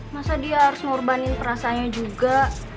masa dia harus ngurbanin perasanya juga